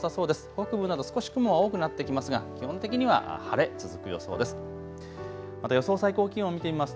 北部など少し雲は多くなってきますが基本的には晴れ続く予想です。